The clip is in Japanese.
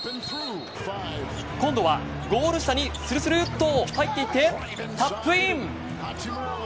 今度はゴール下にスルスルと入っていってタップイン。